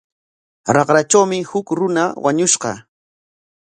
Raqratrawmi huk runa wañushqa.